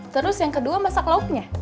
terus yang kedua masak lauknya